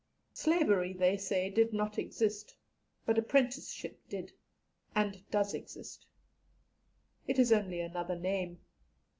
Slavery, they say, did not exist; but apprenticeship did, and does exist. It is only another name.